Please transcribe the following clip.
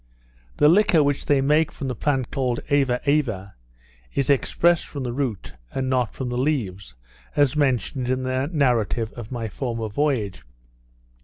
The liquor which they make from the plant called Ava ava, is expressed from the root, and not from the leaves, as mentioned in the narrative of my former voyage.